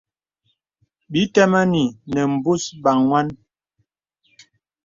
Bī tə̄mēŋnì nə̀ būs banwan.